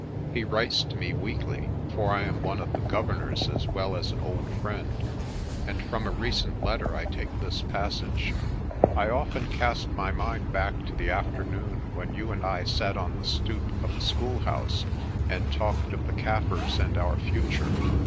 He writes to me weekly, for I am one of the governors as well as an old friend, and from a recent letter I take this passage: "I often cast my mind back to the afternoon when you and I sat on the stoep of the schoolhouse and talked of the Kaffirs and our future.